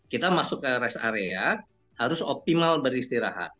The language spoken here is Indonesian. kita masuk ke rest area harus optimal beristirahat